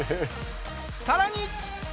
さらに！